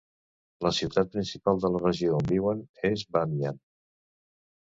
La ciutat principal de la regió on viuen és Bamian.